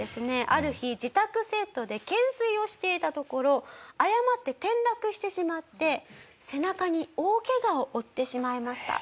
ある日自宅セットで懸垂をしていたところ誤って転落してしまって背中に大ケガを負ってしまいました。